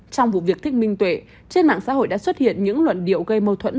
trong vụ việc thích minh tuệ trên mạng xã hội đã xuất hiện những luận điệu gây mâu thuẫn